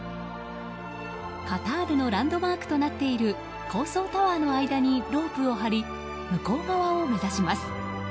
カタールのランドマークとなっている高層タワーの間にロープを張り向こう側を目指します。